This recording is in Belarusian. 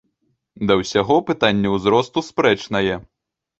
Да ўсяго, пытанне ўзросту спрэчнае.